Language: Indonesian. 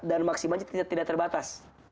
dan maksimalnya tidak terbatas